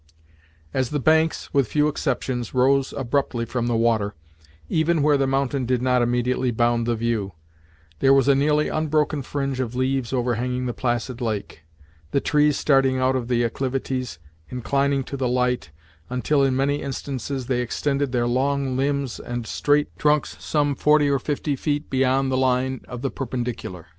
As the banks, with few exceptions, rose abruptly from the water, even where the mountain did not immediately bound the view, there was a nearly unbroken fringe of leaves overhanging the placid lake, the trees starting out of the acclivities, inclining to the light, until, in many instances they extended their long limbs and straight trunks some forty or fifty feet beyond the line of the perpendicular.